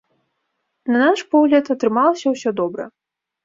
На наш погляд, атрымалася ўсё добра.